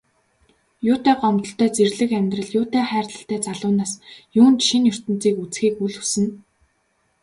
Юутай гомдолтой зэрлэг амьдрал, юутай хайрлалтай залуу нас, юунд шинэ ертөнцийг үзэхийг үл хүснэ.